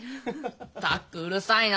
ったくうるさいな。